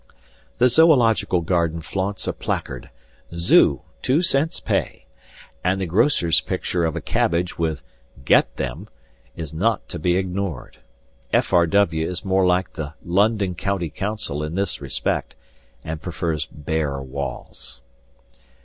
The zoological garden flaunts a placard, "Zoo, two cents pay," and the grocer's picture of a cabbage with "Get Them" is not to be ignored. F. R. W. is more like the London County Council in this respect, and prefers bare walls.